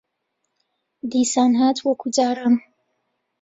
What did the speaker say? دیسان هات وەکوو جاران